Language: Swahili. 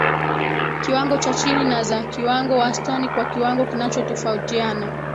kiwango cha chini na za kiwango wastani kwa kiwango kinachotofautiana